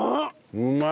うまい。